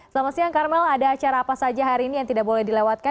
selamat siang karmel ada acara apa saja hari ini yang tidak boleh dilewatkan